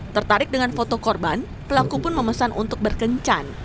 tertarik dengan foto korban pelaku pun memesan untuk berkencan